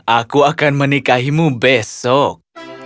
aku akan menikahimu besok